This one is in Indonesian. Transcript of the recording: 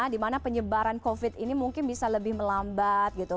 dimana penyebaran covid ini mungkin bisa lebih melambat gitu